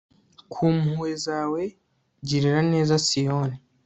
ku mpuhwe zawe, girira neza siyoni